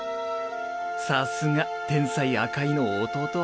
さすが天才・赤井の弟。